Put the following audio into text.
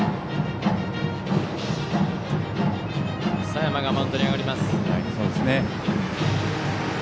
佐山がマウンドに上がります。